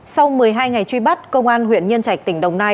sau một mươi hai ngày truy bắt công an huyện nhân trạch tỉnh đồng nai